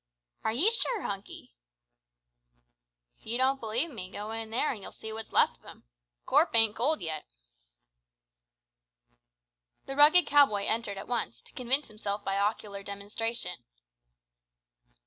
"Are ye sure, Hunky?" "If ye don't believe me, go in there an' you'll see what's left of him. The corp ain't cold yet." The rugged cow boy entered at once, to convince himself by ocular demonstration.